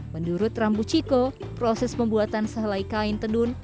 menurut rambu ciko proses pembuatan sehelai kain tenun